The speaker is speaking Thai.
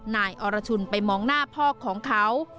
นายอรชุนไปมองหน้าพ่อของเขา